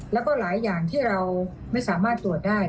แล้วก็หลายอย่างที่เราไม่สามารถตรวจได้